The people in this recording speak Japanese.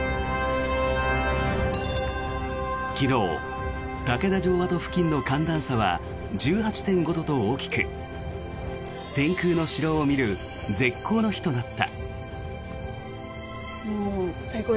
昨日、竹田城跡付近の寒暖差は１８．５度と大きく天空の城を見る絶好の日となった。